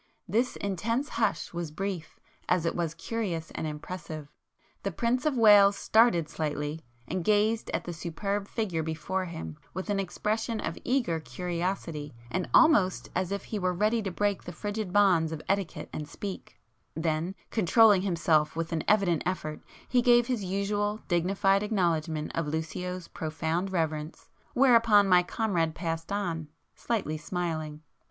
This intense hush was brief as it was curious and impressive;—the Prince of Wales started slightly, and gazed at the superb figure before him with an expression of eager curiosity and almost as if he were ready to break the frigid bonds of etiquette and speak,—then controlling himself with an evident effort he gave his usual dignified acknowledgment of Lucio's profound reverence, whereupon my comrade passed on,—slightly smiling.